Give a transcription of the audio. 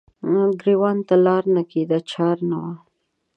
ګریوان ته لار نه کیده چار نه وه